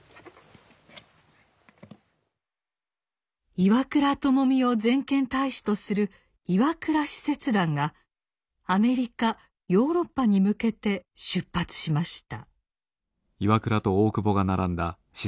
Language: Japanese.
岩倉具視を全権大使とする岩倉使節団がアメリカヨーロッパに向けて出発しました。